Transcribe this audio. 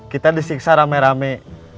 kita disiksa rame rame